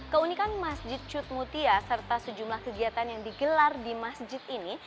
keunikan masjid cutmutia serta sejumlah kegiatan yang digelar di masjid ini